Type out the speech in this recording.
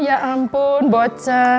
ya ampun bocah